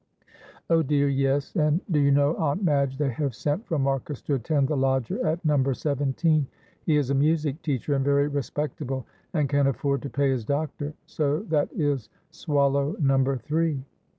"Oh, dear, yes; and do you know, Aunt Madge, they have sent for Marcus to attend the lodger at number seventeen. He is a music teacher and very respectable, and can afford to pay his doctor, so that is swallow number three."